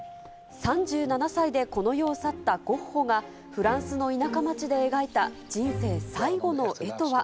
３７歳でこの世を去ったゴッホが、フランスの田舎町で描いた人生最後の絵とは。